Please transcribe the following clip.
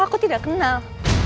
aku tidak kenal